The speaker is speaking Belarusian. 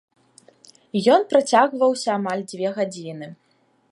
Ён працягваўся амаль дзве гадзіны.